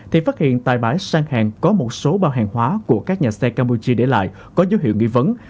thì phát hiện tại bãi sang hàng có một số bao hàng hóa của các nhà xe campuchia để lại có dấu hiệu nghi vấn